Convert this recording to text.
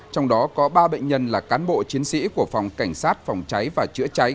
trong đó có ba bệnh nhân là cán bộ chiến sĩ của phòng cảnh sát phòng cháy và chữa cháy